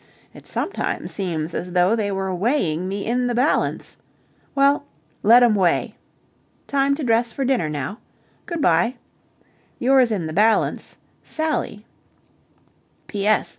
It sometimes seems as though they were weighing me in the balance. Well, let 'em weigh! Time to dress for dinner now. Good bye. Yours in the balance, Sally. P.S.